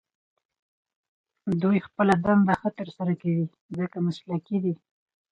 دوی خپله دنده ښه تر سره کوي، ځکه مسلکي دي.